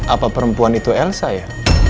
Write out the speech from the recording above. apa perempuan itu elsa ya